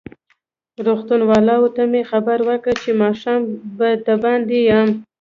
روغتون والاوو ته مې خبر ورکړ چې ماښام به دباندې یم.